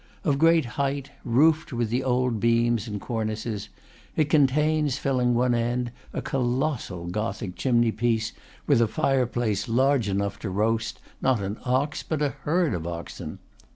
Of great height, roofed with the old beams and cornices, it contains, filling one end, a colossal Gothic chimney piece, with a fireplace large enough to roast, not an ox, but a herd of oxen.